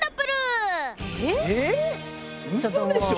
うそでしょ。